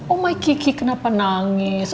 oh my kiki kenapa nangis